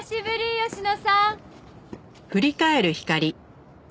吉野さん。